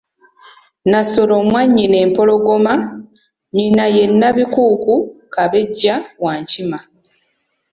Nassolo Mwannyinempologoma, nnyina ye Nabikuku Kabejja wa Nkima.